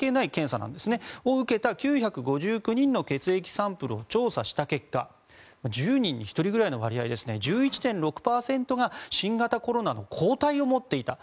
肺がん検診を受けた９５９人の血液サンプルを調査した結果１０人に１人ぐらいの割合１１．６％が新型コロナの抗体を持っていた。